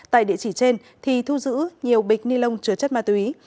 tại địa chỉ trên thì thu giữ nhiều bịch ni lông chứa chất ma túy